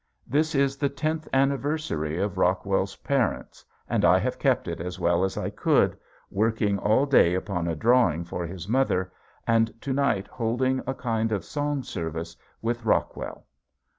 This is the tenth anniversary of Rockwell's parents and I have kept it as well as I could, working all day upon a drawing for his mother and to night holding a kind of song service with Rockwell.